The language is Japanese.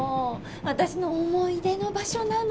私の思い出の場所なの。